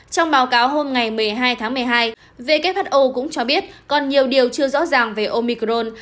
trong báo cáo hôm ngày một mươi hai tháng một mươi hai who cũng cho biết còn nhiều điều chưa rõ ràng về omicron